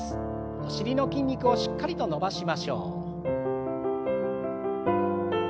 お尻の筋肉をしっかりと伸ばしましょう。